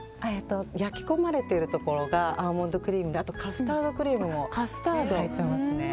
焼き込まれているところがアーモンドクリームであとカスタードクリームも入っていますね。